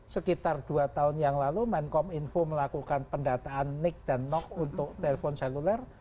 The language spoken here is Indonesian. sekitar dua tahun yang lalu menkom info melakukan pendataan nick dan nok untuk telepon seluler